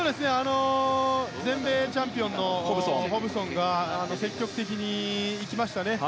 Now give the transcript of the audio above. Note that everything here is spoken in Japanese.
全米チャンピオンのホブソンが積極的にいきましたね。